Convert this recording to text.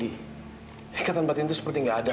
ikatan batin itu seperti nggak ada